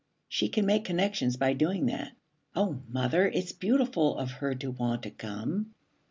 She can make connections by doing that. Oh, mother, it's beautiful of her to want to come.'